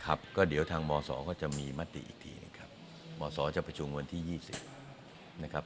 ครับก็เดี๋ยวทางมศก็จะมีมติอีกทีนะครับมศจะประชุมวันที่ยี่สิบนะครับ